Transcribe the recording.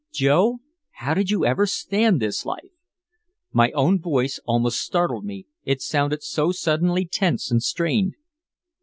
"Joe, how did you ever stand this life?" My own voice almost startled me, it sounded so suddenly tense and strained.